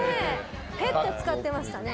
ヘッド使ってましたね